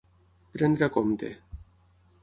Prendre a compte.